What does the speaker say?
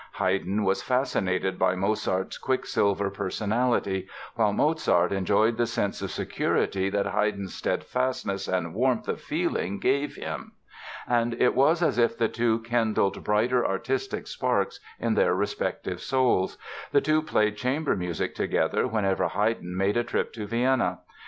"Haydn was fascinated by Mozart's quicksilver personality, while Mozart enjoyed the sense of security that Haydn's steadfastness and warmth of feeling gave him." And it was as if the two kindled brighter artistic sparks in their respective souls. The two played chamber music together whenever Haydn made a trip to Vienna.